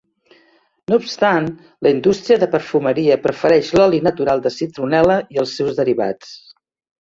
No obstant, la indústria de perfumeria prefereix l'oli natural de citronel·la i els seus derivats.